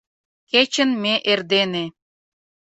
Кечын ме эрдене